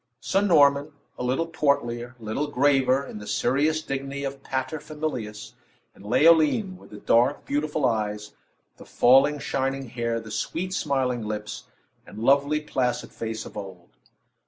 Sir Norman, a little portlier, a little graver, in the serious dignity of pater familias; and Leoline, with the dark, beautiful eyes, the falling, shining hair, the sweet smiling lips, and lovely, placid face of old.